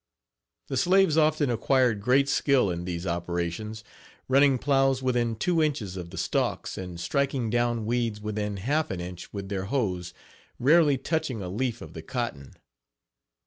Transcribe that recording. The slaves often acquired great skill in these operations, running plows within two inches of the stalks, and striking down weeds within half an inch with their hoes, rarely touching a leaf of the cotton.